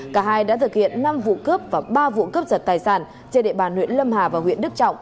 cả hai đã thực hiện năm vụ cướp và ba vụ cướp giật tài sản trên địa bàn huyện lâm hà và huyện đức trọng